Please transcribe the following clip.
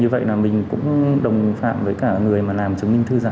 như vậy là mình cũng đồng phạm với cả người mà làm chứng minh thư giả